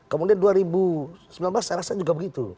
kemudian dua ribu sembilan belas saya rasa juga begitu